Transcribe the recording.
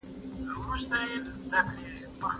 هغه پر ارقامو تکيه کوله.